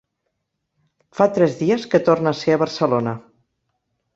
Fa tres dies que torna a ser a Barcelona.